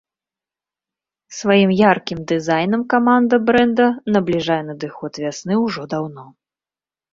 Сваім яркім дызайнам каманда брэнда набліжае надыход вясны ўжо даўно.